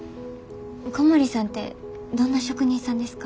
小森さんってどんな職人さんですか？